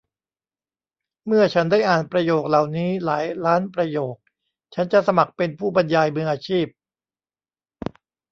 เมื่อฉันได้อ่านประโยคเหล่านี้หลายล้านประโยคฉันจะสมัครเป็นผู้บรรยายมืออาชีพ